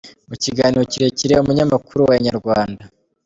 Mu kiganiro kirekire umunyamakuru wa Inyarwanda.